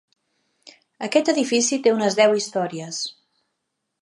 Aquest edifici té unes deu històries.